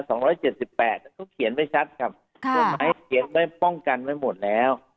เขาเขียนไว้ชัดครับกฎหมายเขียนไว้ป้องกันไว้หมดแล้ว